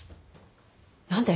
何で？